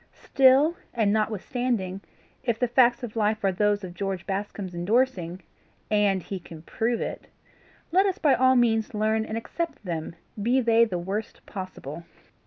Still, and notwithstanding, if the facts of life are those of George Bascombe's endorsing AND HE CAN PROVE IT let us by all means learn and accept them, be they the worst possible.